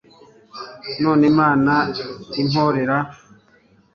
none imana imporera